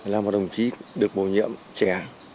là một đồng chí được bổ nhiệm trẻ